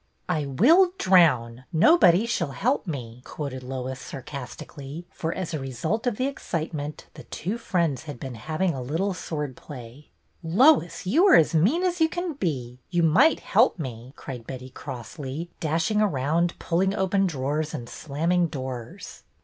"' I will drown, nobody shall help me,' " quoted Lois, sarcastically, for as a result of the excite ment the two friends had been having a little swordplay. '' Lois, you are as mean as you can be. You might help me," cried Betty, crossly, dashing around, pulling open drawers and slamming doors.